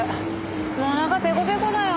もうお腹ペコペコだよ。